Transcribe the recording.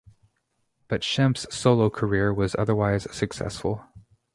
But Shemp's solo career was otherwise successful.